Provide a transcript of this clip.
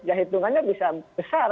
ya hitungannya bisa besar